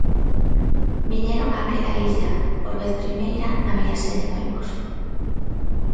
Viñeron a aquela illa, por vez primeira, na viaxe de noivos.